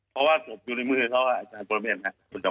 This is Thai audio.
เพราะว่าสมบูรณ์อยู่ในมือเขาอาจารย์โปรเมน